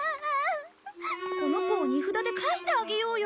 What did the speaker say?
この子を荷札で帰してあげようよ。